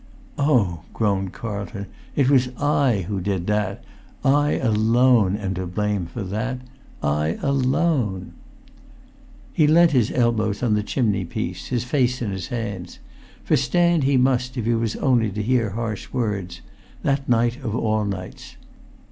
"Oh," groaned Carlton, "it was I who did that! I alone am to blame for that—I alone!" He leant his elbows on the chimney piece, his face in his hands; for stand he must if he was only to hear harsh words—that night of all nights!